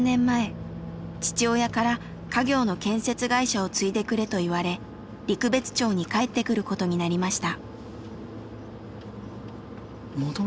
父親から家業の建設会社を継いでくれと言われ陸別町に帰ってくることになりました。